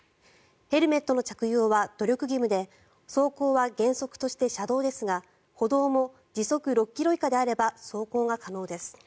ヘルメットの着用は努力義務で走行は、原則として車道ですが歩道も時速６ｋｍ以下であれば走行が可能です。